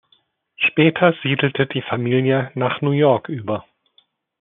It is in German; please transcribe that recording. Später siedelte die Familie nach New York über.